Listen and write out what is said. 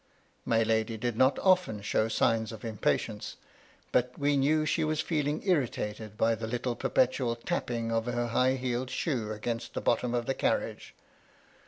My lady did not often show signs of impatience ; but we knew she was feeling irritated by the little perpetual tapping of her high heeled shoe against the bottom of the carriage.